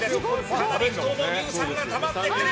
かなり太ももに乳酸がたまってくる。